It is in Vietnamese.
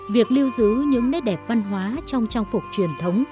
việc lưu giữ những nét đẹp văn hóa trong trang phục truyền thống